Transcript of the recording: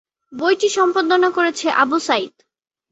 বইটি সম্পাদনা করেছে আবু সাঈদ।